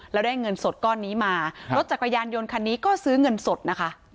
แล้วได้เงินสดก้อนนี้มารถจักรยานยนต์คันนี้ก็ซื้อเงินสดนะคะ